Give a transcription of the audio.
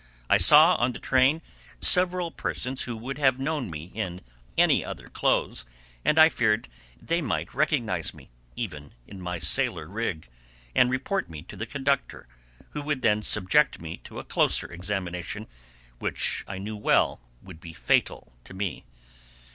I saw on the train several persons who would have known me in any other clothes, and I feared they might recognize me, even in my sailor "rig," and report me to the conductor, who would then subject me to a closer examination, which I knew well would be fatal to me.